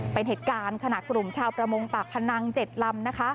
เป็นเหตุการณ์ขณะกลุ่มชาวประมงปากพนัง๗ลำ